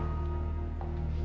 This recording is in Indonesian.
tentang apa yang terjadi